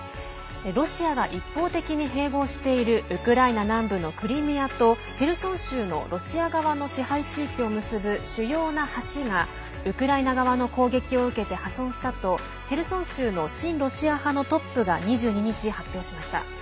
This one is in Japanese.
ロシアが一方的に併合しているウクライナ南部のクリミアとヘルソン州のロシア側の支配地域を結ぶ主要な橋がウクライナ側の攻撃を受けて破損したとヘルソン州の親ロシア派のトップが２２日、発表しました。